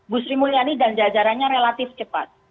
bu sri mulyani dan jajarannya relatif cepat